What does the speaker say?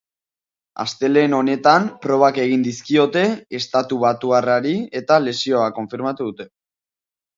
Astelehen honetan probak egin dizkiote estatubatuarrari eta lesioa konfirmatu dute.